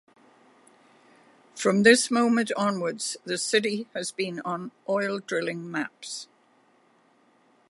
From this moment onwards the city has been on oil drilling maps.